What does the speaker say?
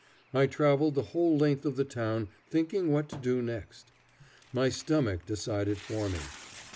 I travelled the whole length of the town thinking what to do next. My stomach decided for me.